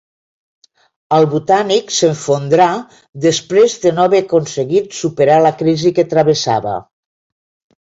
El Botànic s'esfondrà després de no haver aconseguit superar la crisi que travessava